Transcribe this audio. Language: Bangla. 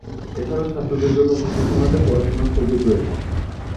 এছাড়াও ছাত্রদের জন্য ভোকেশনাল এ পড়াশুনার সুযোগ রয়েছে।